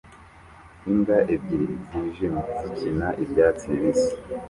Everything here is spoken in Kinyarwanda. Imbwa ebyiri zijimye zikina ibyatsi bibisi